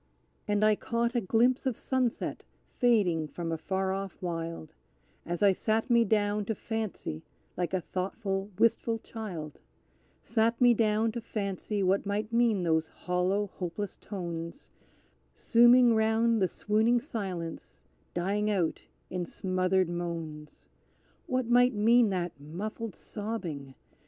And I caught a glimpse of sunset fading from a far off wild, As I sat me down to fancy, like a thoughtful, wistful child Sat me down to fancy what might mean those hollow, hopeless tones, Sooming round the swooning silence, dying out in smothered moans! What might mean that muffled sobbing?